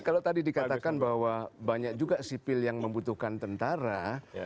kalau tadi dikatakan bahwa banyak juga sipil yang membutuhkan tentara